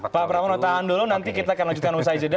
pak pramon tahan dulu nanti kita akan lanjutkan sama saya jeda